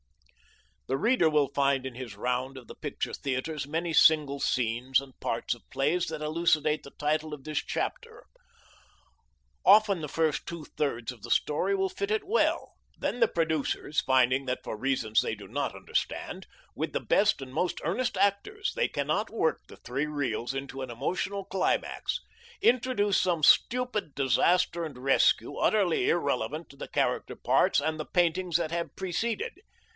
The reader will find in his round of the picture theatres many single scenes and parts of plays that elucidate the title of this chapter. Often the first two thirds of the story will fit it well. Then the producers, finding that, for reasons they do not understand, with the best and most earnest actors they cannot work the three reels into an emotional climax, introduce some stupid disaster and rescue utterly irrelevant to the character parts and the paintings that have preceded.